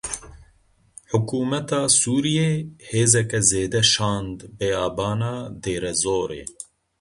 Hikûmeta Sûriyê hêzeke zêde şand beyabana Dêrezorê.